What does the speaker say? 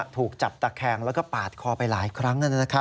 ถูกจับตะแคงแล้วก็ปาดคอไปหลายครั้ง